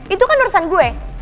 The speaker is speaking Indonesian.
itu kan urusan gue